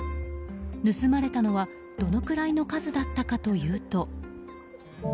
盗まれたのはどのくらいの数だったかというと。